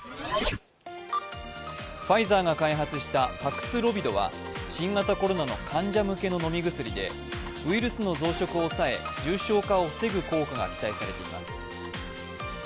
ファイザーが開発したパクスロビドは新型コロナの患者向けの飲み薬でウイルスの増殖を抑え重症化を防ぐ効果が期待されています。